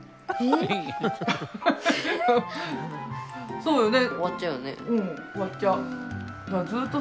そうよね。